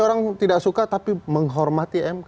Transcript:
orang tidak suka tapi menghormati mk